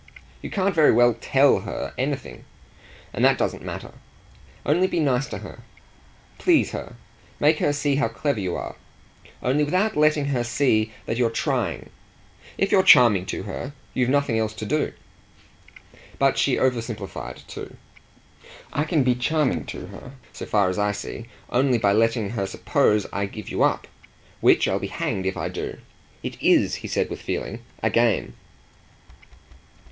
"You can't very well 'tell' her anything, and that doesn't matter. Only be nice to her. Please her; make her see how clever you are only without letting her see that you're trying. If you're charming to her you've nothing else to do." But she oversimplified too. "I can be 'charming' to her, so far as I see, only by letting her suppose I give you up which I'll be hanged if I do! It IS," he said with feeling, "a game."